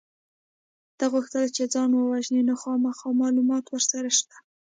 ده غوښتل چې ځان ووژني نو خامخا معلومات ورسره شته